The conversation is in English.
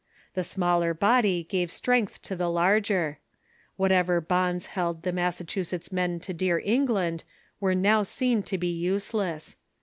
The smaller body gave strength to the larger. What ever bonds held the Massachusetts men to dear England were now seen to be useless.